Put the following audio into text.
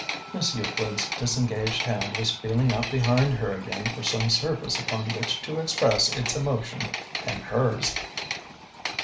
Miss Euclid's disengaged hand was feeling out behind her again for some surface upon which to express its emotion and hers.